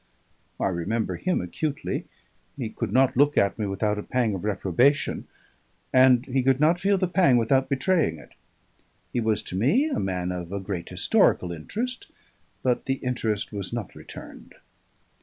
"I remember him acutely; he could not look at me without a pang of reprobation, and he could not feel the pang without betraying it. He was to me a man of a great historical interest, but the interest was not returned."